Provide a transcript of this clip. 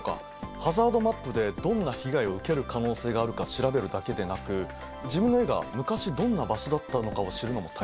ハザードマップでどんな被害を受ける可能性があるか調べるだけでなく自分の家が昔どんな場所だったのかを知るのも大切だよね。